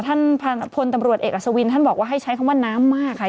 ท่านพลตำรวจเอกอัศวินท่านบอกว่าให้ใช้คำว่าน้ำมากค่ะ